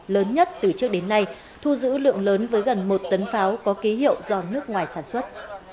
lớn nhất từ trước đến nay thu giữ lượng lớn với gần một tấn pháo có ký hiệu do nước ngoài sản xuất